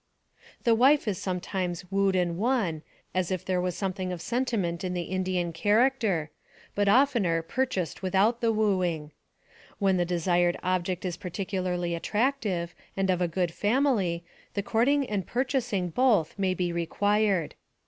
The wife is sometimes wooed and won, as if there 184 NARRATIVE OF CAPTIVITY was something of seatiment in the Indian character, but oftener purchased without the wooing. When the desired object is particularly attractive, and of a good family, the courting and purchasing both may be re quired.